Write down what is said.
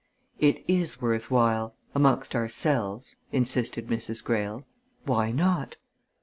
"It is worth while amongst ourselves " insisted Mrs. Greyle. "Why not?